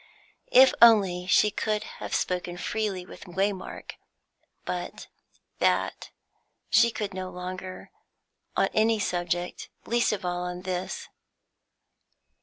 If only she could have spoken freely with Waymark; but that she could no longer on any subject, least of all on this.